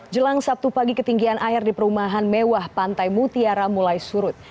jelang sabtu pagi ketinggian air di perumahan mewah pantai mutiara mulai surut